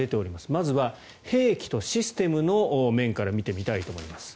まずは兵器とシステムの部分から見てみたいと思います。